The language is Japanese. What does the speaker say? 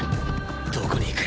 どこに行く？